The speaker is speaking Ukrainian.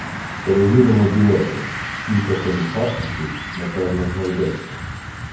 Перевіримо білети — кілька комісарчиків, напевно, знайдеться.